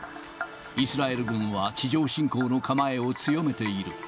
イスラエル軍は地上侵攻の構えを強めている。